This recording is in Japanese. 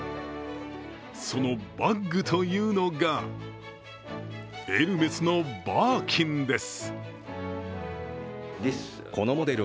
そのバッグというのが、エルメスのバーキンです。